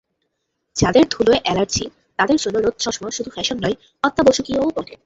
যাঁদের ধুলায় অ্যালার্জি, তাঁদের জন্য রোদচশমা শুধু ফ্যাশন নয়, অত্যাবশ্যকীয়ও বটে।